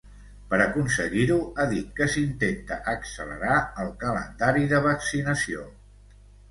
Per aconseguir-ho, ha dit que “s’intenta accelerar” el calendari de vaccinació.